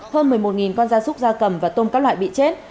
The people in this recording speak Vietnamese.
hơn một mươi một con da súc da cầm và tôm các loại bị chết